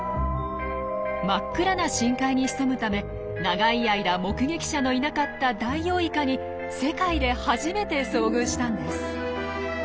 真っ暗な深海に潜むため長い間目撃者のいなかったダイオウイカに世界で初めて遭遇したんです。